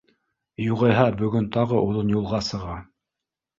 Юғиһә, бөгөн тағы оҙон юлға сыға